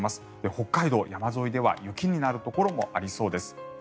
北海道、山沿いでは雪になるところもありそうです。